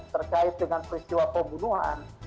terkait dengan peristiwa pembunuhan